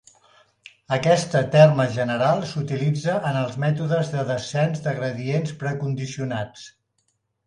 Aquesta terme general s'utilitza en els mètodes de descens de gradients precondicionats.